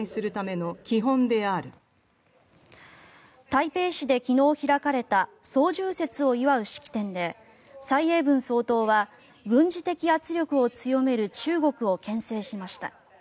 台北市で昨日開かれた双十節を祝う式典で蔡英文総統は軍事的圧力を強める中国をけん制しました。